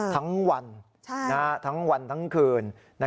ทั้งวันทั้งวันทั้งคืน